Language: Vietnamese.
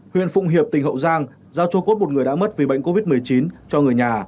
huyện phụng hiệp tỉnh hậu giang giao cho cốt một người đã mất vì bệnh covid một mươi chín cho người nhà